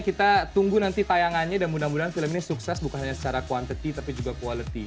kita tunggu nanti tayangannya dan mudah mudahan film ini sukses bukan hanya secara kuantiti tapi juga quality